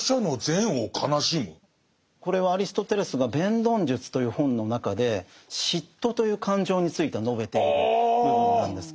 これはアリストテレスが「弁論術」という本の中で嫉妬という感情について述べている部分なんです。